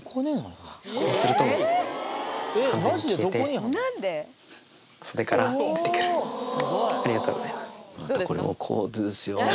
こうすると完全に消えて袖から出てくるありがとうございます